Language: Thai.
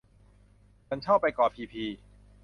ฉันชอบไปเกาะพีพี